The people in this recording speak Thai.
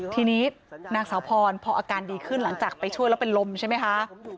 ทีนี้นางสาวพรพออาการดีขึ้นหลังจากไปช่วยแล้วเป็นลมใช่ไหมคะ